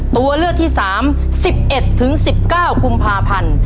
ตัวเลือกที่๓๑๑๑๑๙กุมภาพันธ์